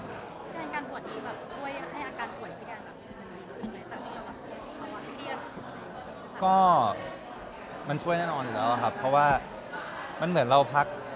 อเรนนี่ก็มันช่วยแน่นอนแล้วครับเพราะว่ามันเหมือนเราพัก